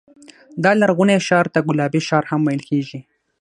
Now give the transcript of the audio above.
دا لرغونی ښار ته ګلابي ښار هم ویل کېږي.